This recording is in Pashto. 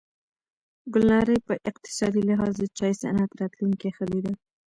ګلنارې په اقتصادي لحاظ د چای صنعت راتلونکې ښه لیده.